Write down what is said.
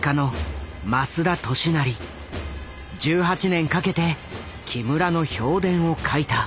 １８年かけて木村の評伝を書いた。